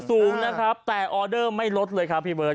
สูงนะครับแต่ออเดอร์ไม่ลดเลยครับพี่เบิร์